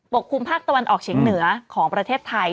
กคลุมภาคตะวันออกเฉียงเหนือของประเทศไทย